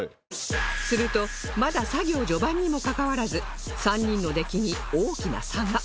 するとまだ作業序盤にもかかわらず３人の出来に大きな差が